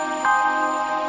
aku terlalu berharga